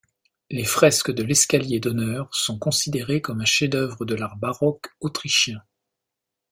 Les fresques de l'escalier d'honneur sont considérées comme un chef-d'œuvre de l'art baroque autrichien.